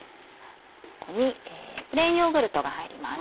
ここにプレーンヨーグルトが入ります。